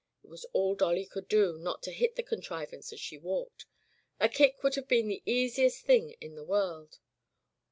It was all Dolly could do not to hit the contrivance as she walked. A kick would have been the easiest thing in the world.